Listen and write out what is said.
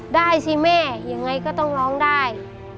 ได้สิแม่ยังไงก็ต้องร้องได้